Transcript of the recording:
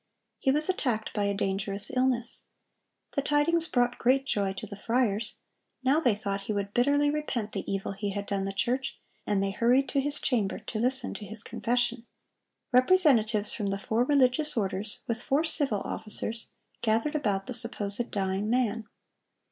He was attacked by a dangerous illness. The tidings brought great joy to the friars. Now they thought he would bitterly repent the evil he had done the church, and they hurried to his chamber to listen to his confession. Representatives from the four religious orders, with four civil officers, gathered about the supposed dying man.